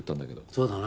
そうだな。